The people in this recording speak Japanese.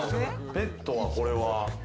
ベッドは、これは？